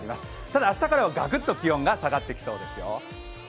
ただ明日からはガクッと気温が下がってきそうですよ。